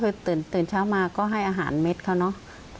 คือตื่นเช้ามาก็ให้อาหารเม็ดเขาเนอะ